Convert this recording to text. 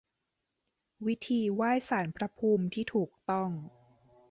วิธีไหว้ศาลพระภูมิที่ถูกต้อง